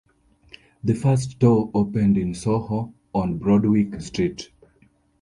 The first store opened in Soho on Broadwick Street.